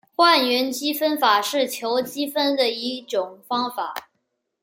换元积分法是求积分的一种方法。